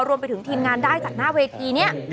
รวมไปถึงทีมงานได้จากหน้าเวทีนี้